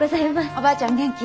おばあちゃん元気？